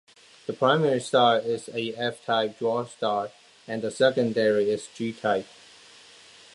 The primary star is a F-type dwarf star, and the secondary is G-type.